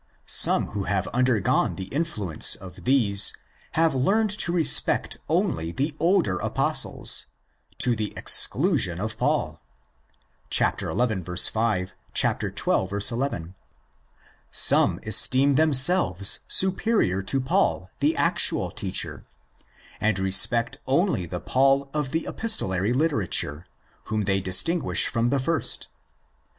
Some who have undergone the influence of these have learned to respect only the older Apostles, to the ex clusion of Paul (xi. 5, xii. 11). Some esteem them selves superior to Paul the actual teacher, and respect only the Paul of the epistolary literature, whom they distinguish from the first.